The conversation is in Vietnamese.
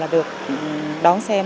được đón xem